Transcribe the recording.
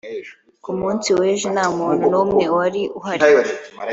ku munsi w'ejo nta muntu n'umwe wari uhari